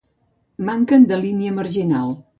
Manquen de línia marginal.